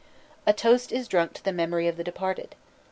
_ A toast is drunk to the memory of the departed.